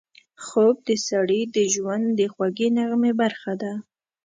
خوب د سړي د ژوند د خوږې نغمې برخه ده